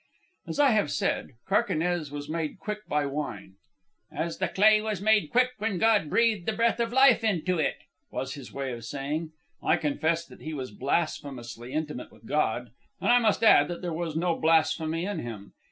As I have said, Carquinez was made quick by wine "as the clay was made quick when God breathed the breath of life into it," was his way of saying it. I confess that he was blasphemously intimate with God; and I must add that there was no blasphemy in him.